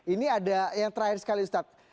ini ada yang terakhir sekali ustadz